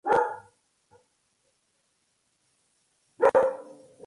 Desde sus inicios, se orientó hacia la creación interdisciplinar y multimedia.